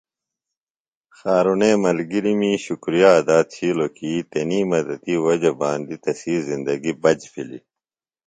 خارُݨے ملگرمی شکُریہ ادا تِھیلوۡ کی تنی مدتی وجہ باندی تسی زندگیۡ بچ بِھلیۡ۔